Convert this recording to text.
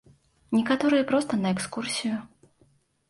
Некаторыя проста на экскурсію.